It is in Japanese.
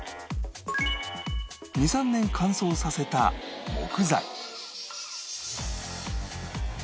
２３年乾燥させた木材